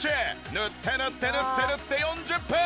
塗って塗って塗って塗って４０分！